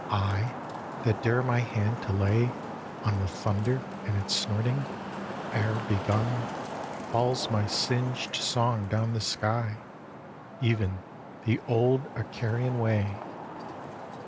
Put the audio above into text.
I, that dare my hand to lay On the thunder in its snorting? Ere begun, Falls my singed song down the sky, even the old Icarian way.